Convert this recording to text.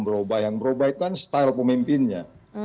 berubah yang berubah itu kan style pemimpinnya